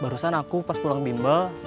barusan aku pas pulang bimba